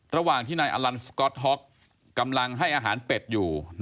ระหว่างที่นายอลันสก๊อตฮ็อกกำลังให้อาหารเป็ดอยู่